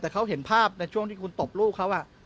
แต่เขาเห็นภาพในช่วงที่คุณตบลูกเขา